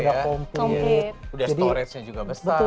iya udah storage nya juga besar